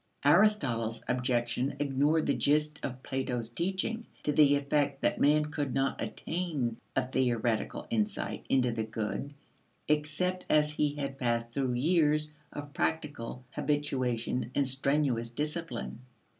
Aristotle's objection ignored the gist of Plato's teaching to the effect that man could not attain a theoretical insight into the good except as he had passed through years of practical habituation and strenuous discipline.